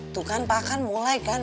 tuh kan pakan mulai kan